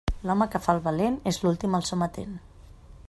L'home que fa el valent és l'últim al sometent.